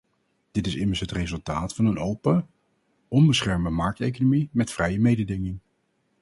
Dit is immers het resultaat van een open, onbeschermde markteconomie met vrije mededinging.